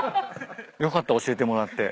よかった教えてもらって。